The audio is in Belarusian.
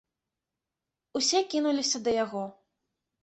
Усе кінуліся да яго.